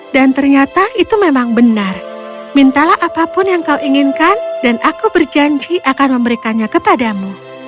dan ternyata itu memang benar mintalah apapun yang kau inginkan dan aku berjanji akan memberikannya kepadamu